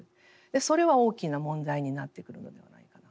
それは大きな問題になってくるのではないかなと。